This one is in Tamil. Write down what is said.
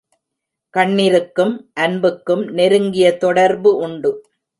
கண்ணிருக்கும் அன்புக்கும் நெருங்கிய தொடர்பு உண்டு.